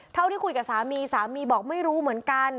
เท่าที่คุยกับสามีสามีบอกไม่รู้เหมือนกัน